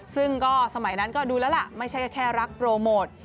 ซึ่งก็สมัยนั้นก็ดูแล้วล่ะไม่ใช่แค่รักโปรโมท